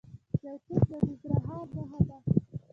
زیتون د ننګرهار نښه ده.